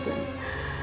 oke tidak ada masalah